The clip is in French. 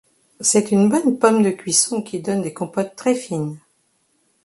C'est une bonne pomme de cuisson qui donne des compotes très fines.